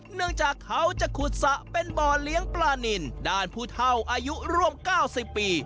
เนื่องจากเขาจะขุดสระเป็นบ่อเลี้ยงปลานินด้านผู้เท่าอายุร่วม๙๐ปี